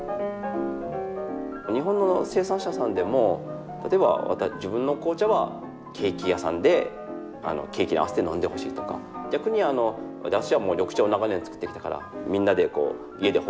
日本の生産者さんでも例えば自分の紅茶はケーキ屋さんでケーキに合わせて飲んでほしいとか逆に私は緑茶を長年作ってきたからみんなで家でほっこり飲んでほしいとか。